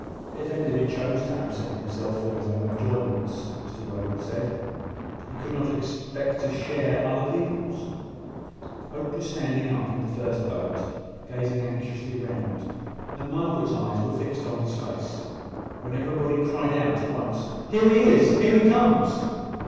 If Enderby chose to absent himself for his own enjoyments, Mr Rowland said, he could not expect to share other people's. Hope was standing up in the first boat, gazing anxiously round, and Margaret's eyes were fixed on his face, when every body cried out at once, "Here he is! here he comes!"